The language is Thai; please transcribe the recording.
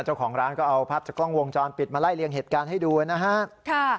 เจ้าของร้านก็เอาภาพจากกล้องวงจรปิดมาไล่เลี่ยงเหตุการณ์ให้ดูนะฮะ